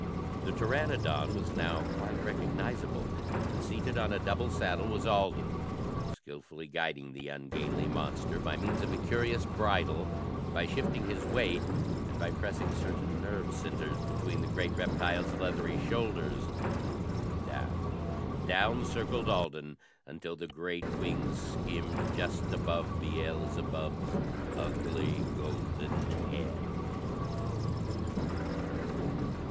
The pteranodon was now quite recognizable, and seated on a double saddle was Alden, skillfully guiding the ungainly monster by means of a curious bridle, by shifting his weight and by pressing certain nerve centers between the great reptile's leathery shoulders. Down, down circled Alden until the great wings skimmed just above Beelzebub's ugly golden head.